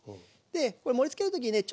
で盛りつける時にね